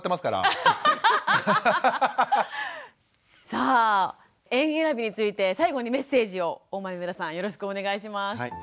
さあ園えらびについて最後にメッセージを大豆生田さんよろしくお願いします。